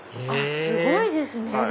へぇすごいですね！